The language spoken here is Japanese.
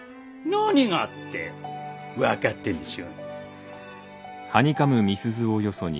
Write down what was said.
「何が」って分かってるでしょ。